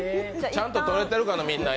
ちゃんと、撮れてるかな？